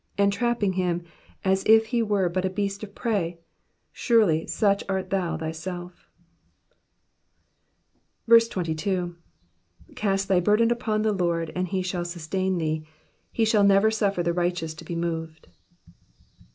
entrapping him as if he were but a beast of prey ; surely, such art thou thyself ! 22 Cast thy burden upon the LORD, and he shall sustain thee : he shall never suffer the righteous to be moved.